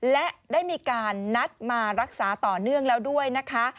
และได้มีการนัดมารักษาต่อเนื่องแล้วด้วยนะคะ